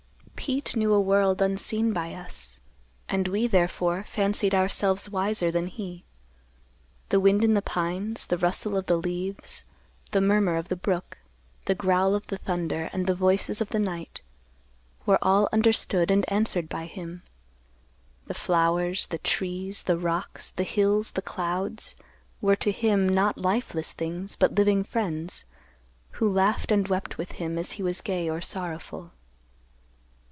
"Pete knew a world unseen by us, and we, therefore, fancied ourselves wiser than he. The wind in the pines, the rustle of the leaves, the murmur of the brook, the growl of the thunder, and the voices of the night were all understood and answered by him. The flowers, the trees, the rocks, the hills, the clouds were to him, not lifeless things, but living friends, who laughed and wept with him as he was gay or sorrowful.